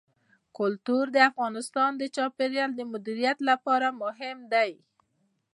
کلتور د افغانستان د چاپیریال د مدیریت لپاره مهم دي.